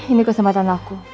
ini kesempatan aku